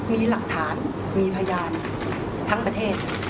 มีหลักฐานมีพยานทั้งประเทศ